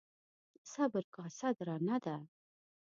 د صبر کاسه درنه ده.